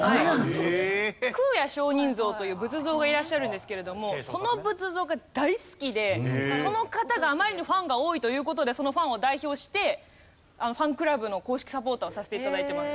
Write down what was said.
空也上人像という仏像がいらっしゃるんですけれどもこの仏像が大好きでその方があまりにファンが多いという事でそのファンを代表してファンクラブの公式サポーターをさせて頂いてます。